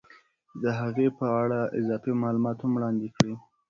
د هغې په اړه اضافي معلومات هم وړاندې کړي